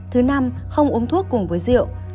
thứ năm không uống thuốc cùng với rượu